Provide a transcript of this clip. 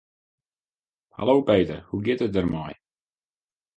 Hallo Peter, hoe giet it der mei?